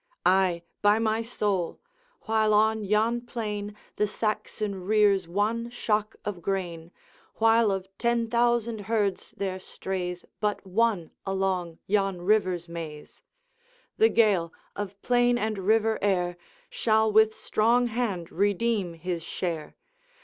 Ay, by my soul! While on yon plain The Saxon rears one shock of grain, While of ten thousand herds there strays But one along yon river's maze, The Gael, of plain and river heir, Shall with strong hand redeem his share.